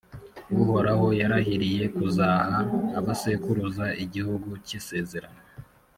uhoraho yarahiriye kuzaha abasekuruza igihugu k’isezerano,